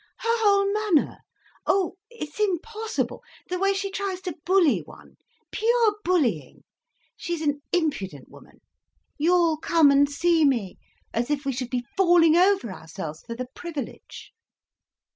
"Her whole manner. Oh, it's impossible, the way she tries to bully one. Pure bullying. She's an impudent woman. 'You'll come and see me,' as if we should be falling over ourselves for the privilege."